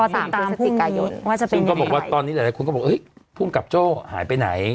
ท่านบอกว่าตอนนี้ละคุณก็บอกเอ๊ยเมื่อรอเกิดก๊อบโจหายไปไหน